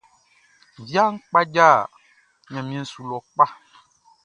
Viaʼn kpadja ɲanmiɛn su lɔ kpa.